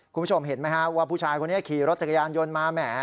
คุณผู้ชมเห็นไหมฮะว่าผู้ชายคนนี้ขี่รถจักรยานยนต์มาแหม